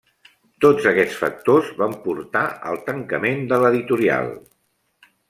Tots aquests factors van portar al tancament de l'editorial.